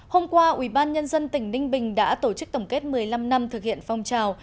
hôm qua ubnd tỉnh ninh bình đã tổ chức tổng kết một mươi năm năm thực hiện phong trào